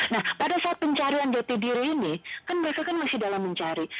nah pada saat pencarian jati diri ini kan mereka kan masih dalam mencari